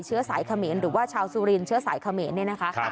เชื้อสายเขมรหรือว่าชาวสุรินเนี่ยนะคะครับ